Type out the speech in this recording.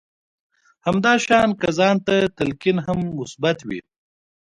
همدا شان که ځان ته تلقين هم مثبت وي.